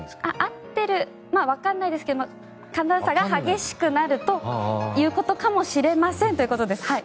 合ってるまあ、わからないですけど寒暖差が激しくなるということかもしれませんということです。